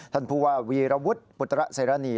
ท่านผู้ว่าวีรวุฒิปุตรเสรณี